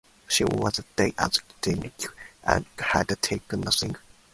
She was a day out of Dunkirk and had taken nothing.